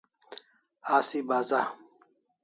Asi baza